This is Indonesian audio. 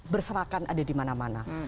berserakan ada di mana mana